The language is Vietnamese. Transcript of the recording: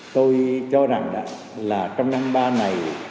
tôi cho rằng là trong năm ba này